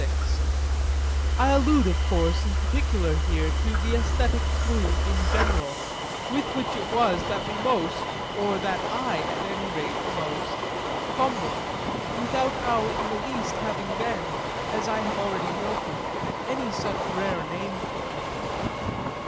XXVI I allude of course in particular here to the æsthetic clue in general, with which it was that we most (or that I at any rate most) fumbled, without our in the least having then, as I have already noted, any such rare name for it.